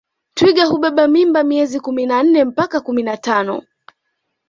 Twiga hubeba mimba miezi kumi na nne mpaka kumi na tano